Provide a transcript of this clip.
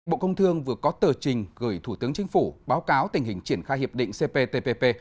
bộ công thương vừa có tờ trình gửi thủ tướng chính phủ báo cáo tình hình triển khai hiệp định cptpp